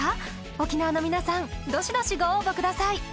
沖縄の皆さんどしどしご応募ください